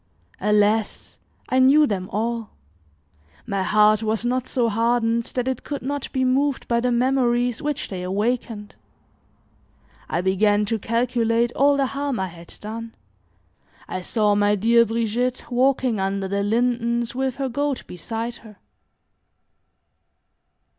Alas! I knew them all; my heart was not so hardened that it could not be moved by the memories which they awakened. I began to calculate all the harm I had done; I saw my dear Brigitte walking under the lindens with her goat beside her.